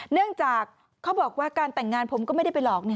เนื่องจากเขาบอกว่าการแต่งงานผมก็ไม่ได้ไปหลอกนะ